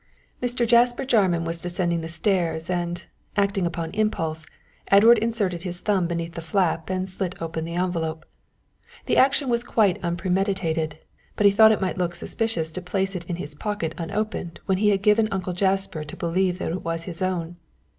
Mr. Jasper Jarman was descending the stairs, and, acting upon impulse, Edward inserted his thumb beneath the flap and slit open the envelope. The action was quite unpremeditated, but he thought it might look suspicious to place it in his pocket unopened when he had given Uncle Jasper to believe it was his own.